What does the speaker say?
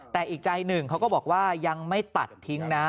แต่อีกใจหนึ่งเขาก็บอกว่ายังไม่ตัดทิ้งนะ